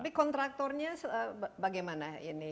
tapi kontraktornya bagaimana ini